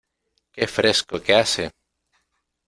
¡Qué fresco que hace!